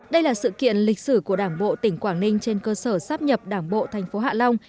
đây là sự kiện lịch sử của đảng bộ tỉnh quảng ninh trên cơ sở sắp nhập đảng bộ thành phố hạ long